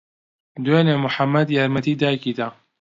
دوێنێ محەممەد یارمەتی دایکی دا؟